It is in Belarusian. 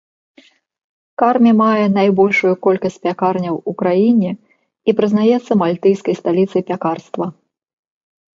Кармі мае найбольшую колькасць пякарняў ў краіне і прызнаецца мальтыйскай сталіцай пякарства.